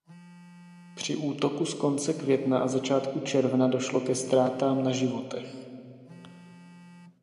Při útoku z konce května a začátku června došlo ke ztrátám na životech.